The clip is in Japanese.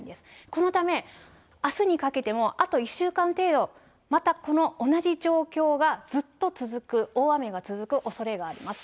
このため、あすにかけてもあと１週間程度、またこの同じ状況がずっと続く、大雨が続くおそれがあります。